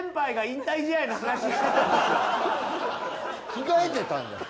着替えてたんだ。